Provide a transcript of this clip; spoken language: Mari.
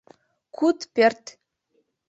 Куд пӧрт...